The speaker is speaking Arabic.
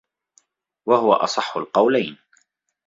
وَهُوَ أَصَحُّ الْقَوْلَيْنِ